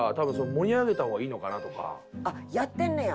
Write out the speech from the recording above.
あっやってんねや。